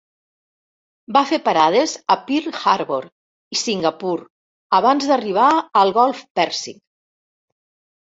Va fer parades a Pearl Harbor i Singapur abans d'arribar al Golf Pèrsic.